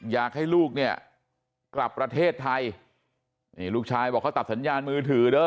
อยากให้ลูกเนี่ยกลับประเทศไทยนี่ลูกชายบอกเขาตัดสัญญาณมือถือเด้อ